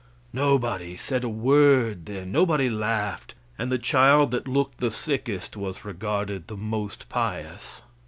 Nobody said a word then; nobody laughed; and the child that looked the sickest was regarded the most pious.